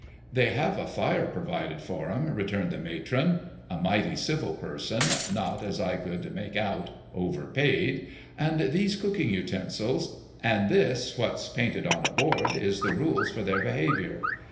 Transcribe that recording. ' They have a fire provided for 'em,' returned the matron, — a mighty civil person, not, as I could make out, overpaid ;' and these cooking utensils. And this what's painted on a board is the rules for their behaviour.